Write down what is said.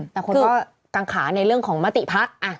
แต่คนก็กังขาในเรื่องของมติพัก